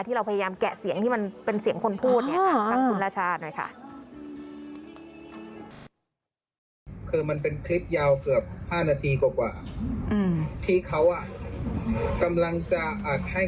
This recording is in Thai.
ที่เราพยายามแกะเสียงที่มันเป็นเสียงคนพูดเนี่ย